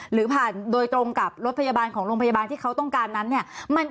หรือผ่านโดยตรงกับรถพยาบาลของโรงพยาบาลที่เขาต้องการนั้นเนี่ย